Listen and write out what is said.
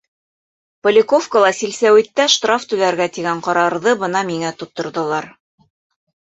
Поляковкала, силсәүиттә, штраф түләргә тигән ҡарарҙы бына миңә тотторҙолар.